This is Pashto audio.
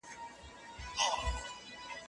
که سپورت وي نو لټي نه وي.